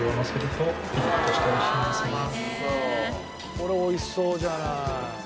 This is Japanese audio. これ美味しそうじゃない。